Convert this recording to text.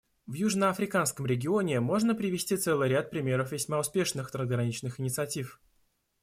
В южноафриканском регионе можно привести целый ряд примеров весьма успешных трансграничных инициатив.